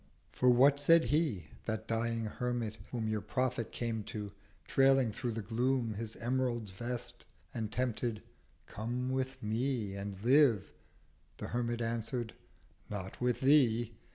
280 For what said He, that dying Hermit, whom Your Prophet came to, trailing through the Gloom His Emerald Vest, and tempted—'Come with Me, And Live.' The Hermit answered—'Not with Thee.